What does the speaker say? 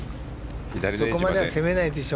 そこまでは攻めないでしょ。